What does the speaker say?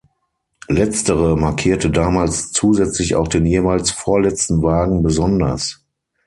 Letztere markierte damals zusätzlich auch den jeweils vorletzten Wagen besonders.